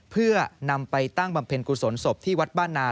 เพื่อนำไปตั้งบำเพ็ญกุศลศพที่วัดบ้านนา